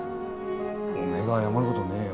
おめえが謝るごどねえよ。